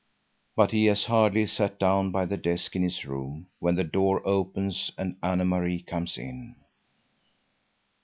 But he has hardly sat down by the desk in his room when the door opens and Anne Marie comes in.